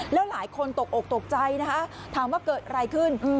แล้วหลายคนตกอกตกใจนะคะถามว่าเกิดอะไรขึ้น